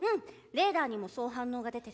レーダーにもそう反応が出てる。